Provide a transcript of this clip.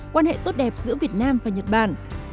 quan hệ tốt đẹp giữa việt nam và nhật bản